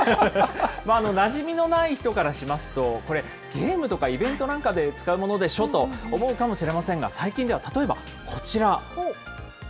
なじみのない人からしますと、これ、ゲームとかイベントなんかで使うものでしょと思うかもしれませんが、最近では例えばこちら。